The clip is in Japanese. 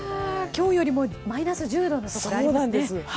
今日よりもマイナス１０度のところありますね。